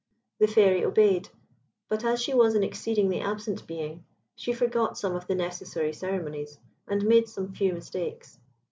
The Fairy obeyed; but as she was an exceedingly absent being, she forgot some of the necessary ceremonies, and made some few mistakes.